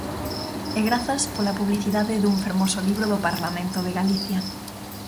E grazas pola publicidade dun fermoso libro do Parlamento de Galicia.